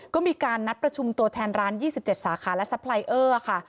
ก็มีการนัดประชุมตัวแทนร้าน๒๗สาขาและซัพไลเออร์ค่ะ